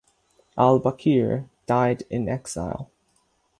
Al Bakir died in exile.